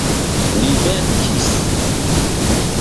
Ni venkis!